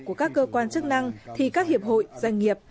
của các cơ quan chức năng thì các hiệp hội doanh nghiệp